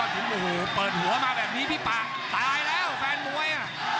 เปิดหัวมาแบบนี้พี่ป่าตายแล้วแฟนมวย